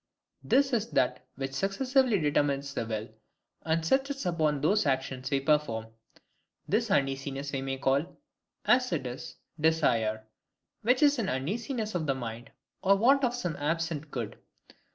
This is that which successively determines the will, and sets us upon those actions we perform. This uneasiness we may call, as it is, DESIRE; which is an uneasiness of the mind for want of some absent good.